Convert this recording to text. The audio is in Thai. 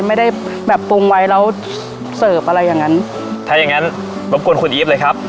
ไม่ได้แบบปรุงไว้แล้วเสิร์ฟอะไรอย่างงั้นถ้าอย่างงั้นรบกวนคุณอีฟเลยครับ